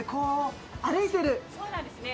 そうなんですね。